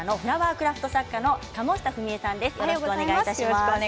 クラフト作家の鴨下ふみえさんです。